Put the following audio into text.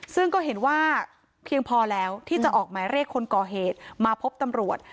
ซึ่งก็เห็นว่าเพียงพอแล้วที่จะออกหมายเรียกคนก่อเหตุมาพบตำรวจ